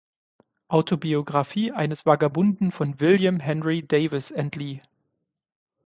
Autobiographie eines Vagabunden von William Henry Davies entlieh.